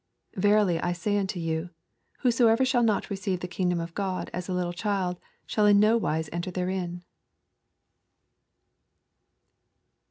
17 Verily I say unto you, Whoso ever shall not receive the kingdom of God as a4ittle child shall in no wise enter therein.